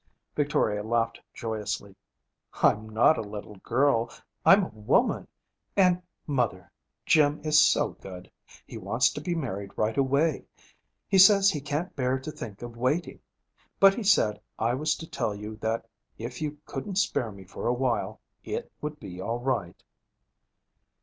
Victoria laughed joyously. 'I'm not a little girl. I'm a woman. And, mother, Jim is so good. He wants to be married right away. He says he can't bear to think of waiting. But he said I was to tell you that if you couldn't spare me for a while, it would be all right.'